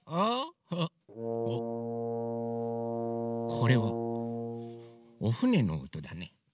これはおふねのおとだね。